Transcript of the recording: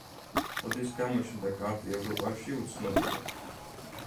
როდის გამოჩნდა კარტი ევროპაში, უცნობია.